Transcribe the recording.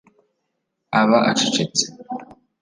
aba acecetse